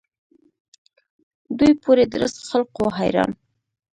دوی پوري درست خلق وو حیران.